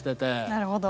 なるほど。